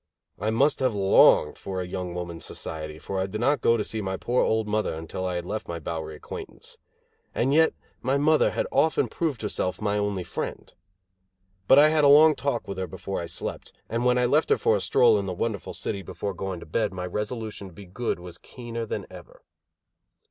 I must have longed for a young woman's society, for I did not go to see my poor old mother until I had left my Bowery acquaintance. And yet my mother had often proved herself my only friend! But I had a long talk with her before I slept, and when I left her for a stroll in the wonderful city before going to bed my resolution to be good was keener than ever.